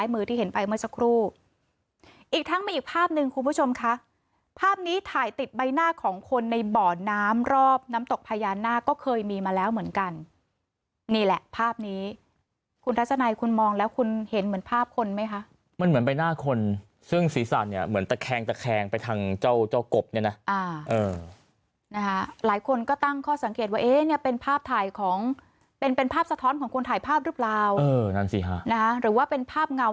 มือที่เห็นไปเมื่อสักครู่อีกทั้งมีอีกภาพนึงคุณผู้ชมคะภาพนี้ถ่ายติดใบหน้าของคนในบ่อนน้ำรอบน้ำตกพญานาคก็เคยมีมาแล้วเหมือนกันนี่แหละภาพนี้คุณทัชนัยคุณมองแล้วคุณเห็นเหมือนภาพคนไหมคะมันเหมือนใบหน้าคนซึ่งสีสันเนี่ยเหมือนตะแคงตะแคงไปทางเจ้าเจ้ากบเนี่ยนะอ่าหลายคนก็ตั้งข้อ